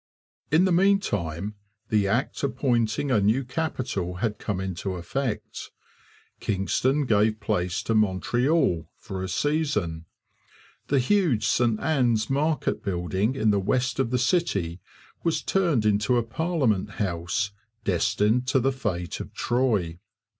In the meantime the Act appointing a new capital had come into effect. Kingston gave place to Montreal, for a season. The huge Ste Anne's market building in the west of the city was turned into a parliament house, destined to the fate of Troy.